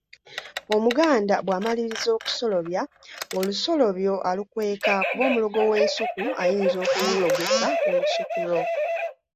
Omuganda bw'amaliriza okusolobya olusolobyo alukweka kuba omulogo w'ensuku ayinza okululogesa olusuku lwo.